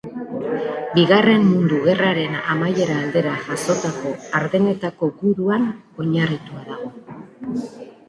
Bigarren Mundu Gerraren amaiera aldera jazotako Ardenetako Guduan oinarritua dago.